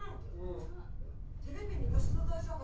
テレビに。